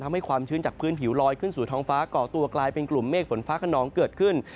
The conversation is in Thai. ความชื้นจากพื้นผิวลอยขึ้นสู่ท้องฟ้าก่อตัวกลายเป็นกลุ่มเมฆฝนฟ้าขนองเกิดขึ้น